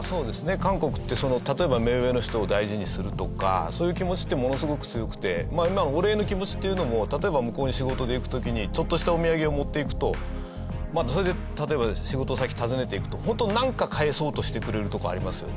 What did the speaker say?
韓国って例えば目上の人を大事にするとかそういう気持ちってものすごく強くて今のお礼の気持ちっていうのも例えば向こうに仕事で行く時にちょっとしたお土産を持っていくとそれで例えば仕事先訪ねていくとホントなんか返そうとしてくれるとこありますよね。